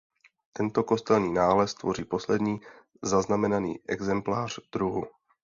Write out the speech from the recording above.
Tento kosterní nález tvoří poslední zaznamenaný exemplář druhu.